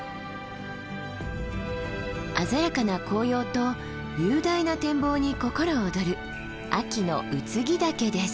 鮮やかな紅葉と雄大な展望に心躍る秋の空木岳です。